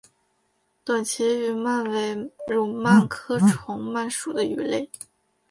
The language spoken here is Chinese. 短鳍虫鳗为蠕鳗科虫鳗属的鱼类。